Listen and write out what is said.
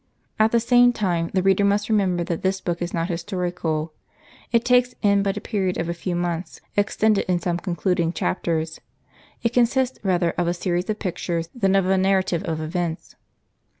At the same time, the reader must remember that this book is not historical. It takes in but a period of a few months, extended in some concluding chapters. It consists rather of a series of pictures than of a narrative of events.